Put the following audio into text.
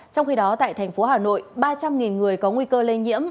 trong khi đó tại thành phố hà nội ba trăm linh người có nguy cơ lây nhiễm